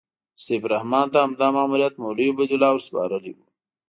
چې سیف الرحمن ته همدا ماموریت مولوي عبیدالله ورسپارلی و.